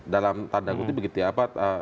dalam tanda kutip begitu ya